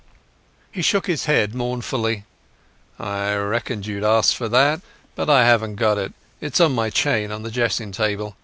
He shook his head mournfully. "I reckoned you'd ask for that, but I haven't got it. It's on my chain on the dressing table.